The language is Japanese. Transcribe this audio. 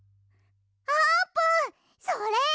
あーぷんそれ！